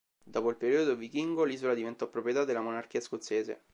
Dopo il periodo vichingo l'isola diventò proprietà della monarchia scozzese.